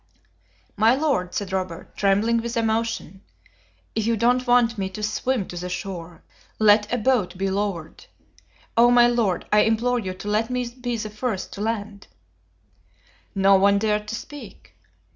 "My Lord," said Robert, trembling with emotion, "if you don't want me to swim to the shore, let a boat be lowered. Oh, my Lord, I implore you to let me be the first to land." No one dared to speak.